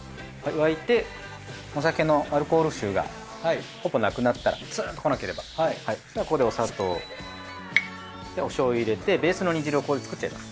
沸いてお酒のアルコール臭がほぼなくなったらツーンっとこなければこれでお砂糖おしょうゆ入れてベースの煮汁をここで作っちゃいます。